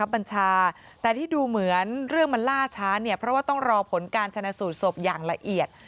บัญชาแต่ที่ดูเหมือนเรื่องมันล่าช้าเนี่ยเพราะว่าต้องรอผลการชนะสูตรศพอย่างละเอียด